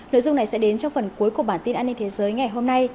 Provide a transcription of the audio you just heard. nội dung này sẽ đến trong phần cuối của bản tin an ninh thế giới ngày hôm nay